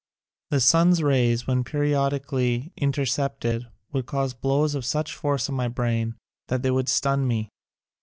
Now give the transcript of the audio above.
The sun's rays, when periodi cally intercepted, would cause blows of such force on my brain that they would stun me.